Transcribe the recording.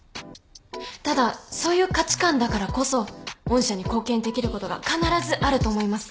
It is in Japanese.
ただそういう価値観だからこそ御社に貢献できることが必ずあると思います。